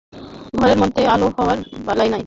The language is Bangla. ঘরের মধ্যে আলো-হাওয়ার বালাই নাই।